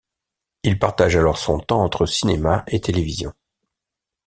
Il partage alors son temps entre cinéma et télévision.